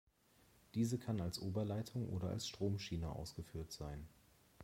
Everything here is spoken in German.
Diese kann als Oberleitung oder als Stromschiene ausgeführt sein.